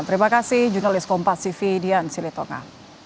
terima kasih jurnalis kompas sivi dian silitonga